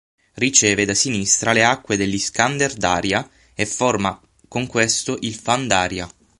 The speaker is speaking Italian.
Riceve da sinistra le acque dell'Iskander Darya e forma con questo il Fan Darya.